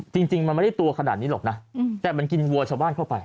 จริงมันไม่ได้ตัวขนาดนี้หรอกนะแต่มันกินวัวชาวบ้านเข้าไป